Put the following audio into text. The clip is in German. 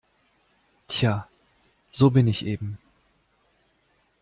Tja, so bin ich eben.